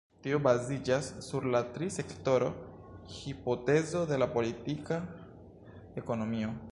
Tio baziĝas sur la tri-sektoro-hipotezo de la politika ekonomio.